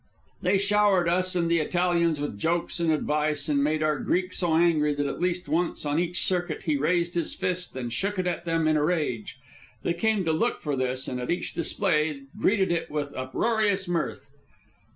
They showered us and the Italians with jokes and advice, and made our Greek so angry that at least once on each circuit he raised his fist and shook it at them in a rage. They came to look for this, and at each display greeted it with uproarious mirth.